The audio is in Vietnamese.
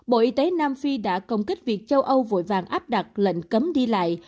bộ y tế nam phi đã công kích việc châu âu vội vàng áp đặt lệnh cấm đi lại